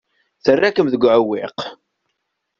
Terra-kem deg uɛewwiq.